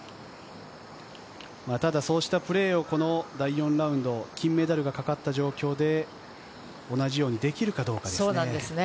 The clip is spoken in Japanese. そうしたプレーを第４ラウンド、金メダルがかかった状況で、同じようにできるかどうかですね。